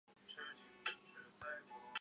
腺萼越桔为杜鹃花科越桔属下的一个种。